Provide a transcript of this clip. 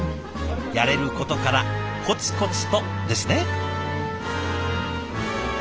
やれることからコツコツとですね！